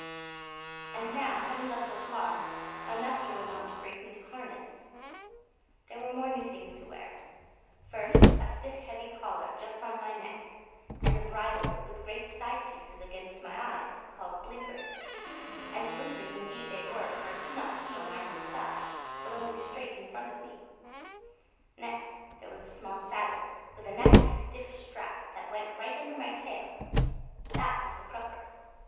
And now having got so far, my master went on to break me to harness; there were more new things to wear. First, a stiff heavy collar just on my neck, and a bridle with great side pieces against my eyes called blinkers, and blinkers indeed they were, for I could not see on either side, but only straight in front of me; next, there was a small saddle with a nasty stiff strap that went right under my tail; that was the crupper.